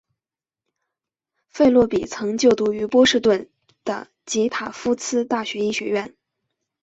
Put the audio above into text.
费洛比曾就读波士顿的及塔夫茨大学医学院。